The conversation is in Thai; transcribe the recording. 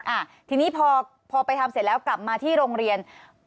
อ่าทีนี้พอพอไปทำเสร็จแล้วกลับมาที่โรงเรียน